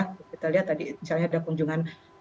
kita lihat tadi misalnya ada kunjungan